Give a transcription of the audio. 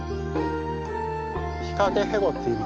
ヒカゲヘゴっていいます。